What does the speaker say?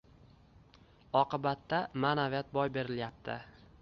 Oqibatda ma`naviyat boy berilyapti